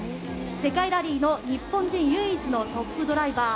世界ラリーの日本人唯一のトップドライバー